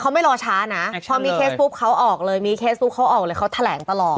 เขาไม่รอช้านะพอมีเคสปุ๊บเขาออกเลยมีเคสปุ๊บเขาออกเลยเขาแถลงตลอด